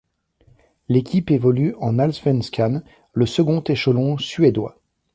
L'équipe évolue en Allsvenskan, le second échelon suédois.